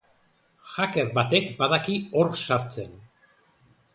Hacker batek badaki hor sartzen.